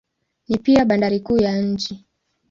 Ni pia bandari kuu ya nchi.